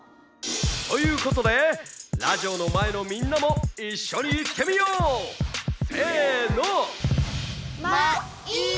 「ということでラジオのまえのみんなもいっしょにいってみよう！せの！」。